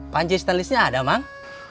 panji stainlessnya ada mang